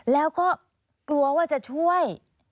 แล้วก็กลัวว่าจะช่วย